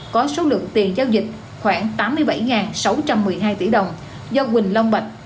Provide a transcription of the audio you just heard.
có số lượng tiền giao dịch khoảng tám mươi bảy sáu trăm một mươi hai tỷ đồng do quỳnh long bạch